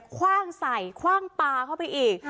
คว่างใส่คว่างปลาเข้าไปอีก